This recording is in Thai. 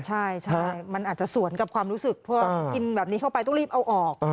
ใช่มันอาจจะสวนกับความรู้สึกพอกินแบบนี้เข้าไปต้องรีบเอาออก